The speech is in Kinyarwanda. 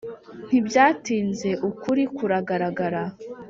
ntibyatinze ukuri kuragaragara,